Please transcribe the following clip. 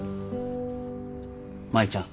舞ちゃん。